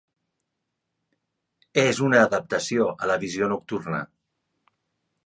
És una adaptació a la visió nocturna.